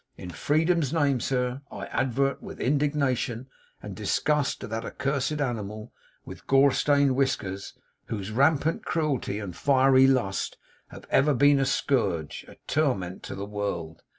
In Freedom's name, sir, I advert with indignation and disgust to that accursed animal, with gore stained whiskers, whose rampant cruelty and fiery lust have ever been a scourge, a torment to the world.